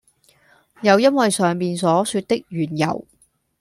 又因爲上面所說的緣由，